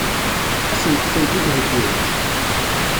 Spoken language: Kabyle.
Ad sent-tent-id-heggin?